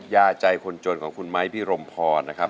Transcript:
ยาใจคนจนของคุณไม้พี่รมพรนะครับ